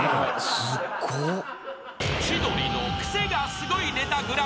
［『千鳥のクセがスゴいネタＧＰ』］